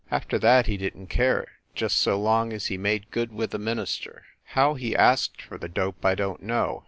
After that he didn t care, just so long as he made good with the minister. How he asked for the dope, I don t know.